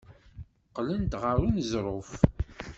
Qqlent ɣer uneẓruf.